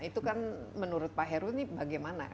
itu kan menurut pak heru ini bagaimana